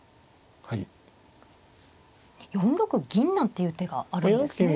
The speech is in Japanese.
４六銀なんていう手があるんですね。